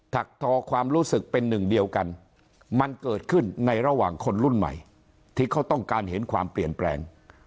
ถักทอความรู้สึกเป็นหนึ่งเดียวกันมันเกิดขึ้นในระหว่างคนรุ่นใหม่ที่เขาต้องการเห็นความเปลี่ยนแปลง